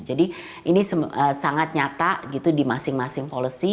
ini sangat nyata gitu di masing masing policy